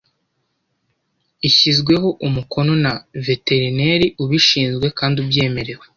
ishyizweho umukono na veterineri ubishinzwe kandi ubyemerewe.